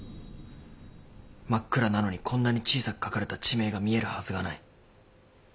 真っ暗なのにこんなに小さく書かれた地名が見えるはずがない。